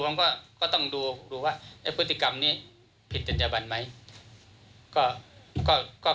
อันนี้ต้องสอบส่วนอย่างเร่งด่วนนะคะ